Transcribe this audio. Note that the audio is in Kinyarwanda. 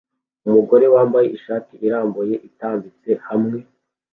Umugore wambaye ishati irambuye itambitse hamwe